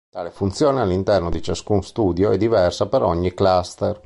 Tale funzione all'interno di ciascuno studio è diversa per ogni cluster.